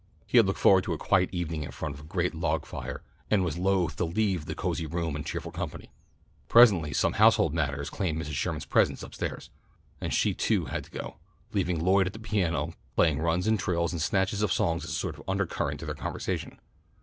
He had looked forward to a quiet evening in front of the great log fire, and was loath to leave the cosy room and cheerful company. Presently some household matters claimed Mrs. Sherman's presence up stairs, and she too had to go, leaving Lloyd at the piano, playing runs and trills and snatches of songs as a sort of undercurrent to their conversation.